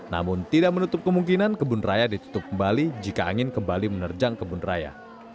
namun tidak menutup kemungkinan kebun raya ditutup kembali jika angin kembali menerjang kebun raya